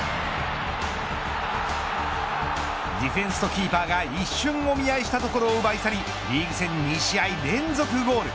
ディフェンスとキーパーが一瞬お見合いしたところを奪い去りリーグ戦２試合連続ゴール。